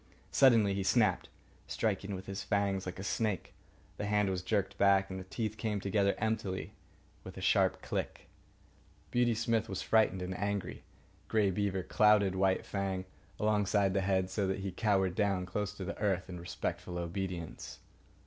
Suddenly he snapped, striking with his fangs like a snake. The hand was jerked back, and the teeth came together emptily with a sharp click. Beauty Smith was frightened and angry. Grey Beaver clouted White Fang alongside the head, so that he cowered down close to the earth in respectful obedience.